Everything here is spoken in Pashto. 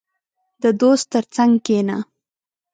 • د دوست تر څنګ کښېنه.